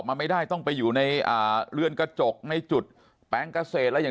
ไม่ได้ต้องไปอยู่ในเลือนกระจกในจุดแป้งกาซเซนและอย่าง